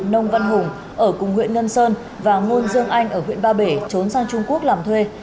nông văn hùng ở cùng huyện ngân sơn và ngôn dương anh ở huyện ba bể trốn sang trung quốc làm thuê